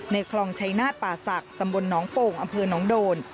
คลองชัยนาฏป่าศักดิ์ตำบลหนองโป่งอำเภอน้องโดน